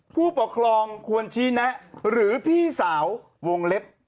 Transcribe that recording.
ผู้ปกครองควรชี้แนะหรือพี่สาววงเล็บ